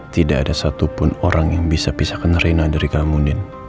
tidak ada satupun orang yang bisa pisahkan rena dari kamudin